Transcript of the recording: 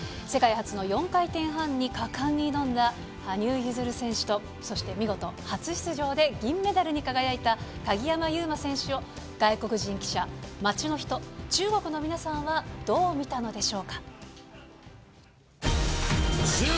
世界初の４回転半に果敢に挑んだ羽生結弦選手と、そして見事初出場で銀メダルに輝いた鍵山優真選手を外国人記者、街の人、中国の皆さんはどう見たのでしょうか。